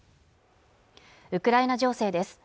ウクライナ情勢です